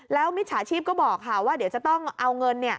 แล้วมิจฉาชีพก็บอกค่ะว่าเดี๋ยวจะต้องเอาเงิน